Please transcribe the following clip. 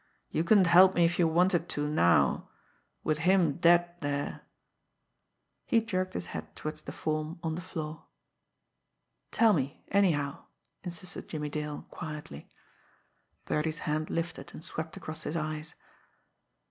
You couldn't help me if you wanted to now with him dead there" he jerked his head toward the form on the floor. "Tell me, anyhow," insisted Jimmie Dale quietly. Birdie's hand lifted and swept across his eyes.